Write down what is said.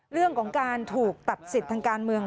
เรื่องของการถูกตัดสิทธิ์ทางการเมือง